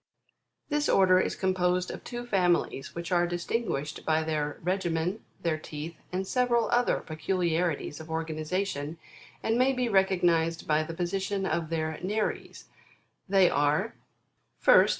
25. This order is composed of two families which are distin guished by their regimen, their teeth and several other peculiari ties of organization, and may be recognised by the position of their nares ; they are : 1st.